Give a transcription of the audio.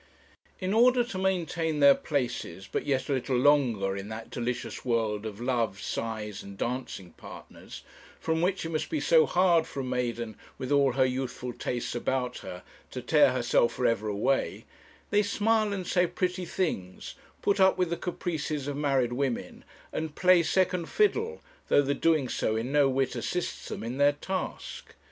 In order to maintain their places but yet a little longer in that delicious world of love, sighs, and dancing partners, from which it must be so hard for a maiden, with all her youthful tastes about her, to tear herself for ever away, they smile and say pretty things, put up with the caprices of married women, and play second fiddle, though the doing so in no whit assists them in their task.